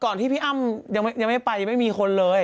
ที่พี่อ้ำยังไม่ไปไม่มีคนเลย